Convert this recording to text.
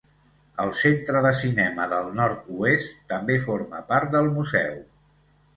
El Centre de Cinema del Nord-oest també forma part del museu.